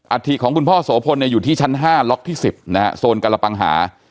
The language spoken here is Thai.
ฐิของคุณพ่อโสพลอยู่ที่ชั้น๕ล็อกที่๑๐นะฮะโซนกรปังหา